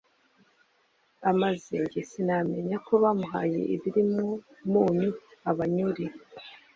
Amaze jye sinamenya Ko bamuhaye ibiri mwo umunyu Abannyori.